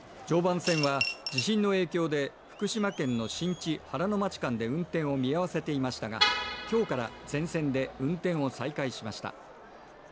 常磐線は地震の影響で福島県の新地原ノ町間で運転を見合わせていましたが今日から全線で運転を再開しました。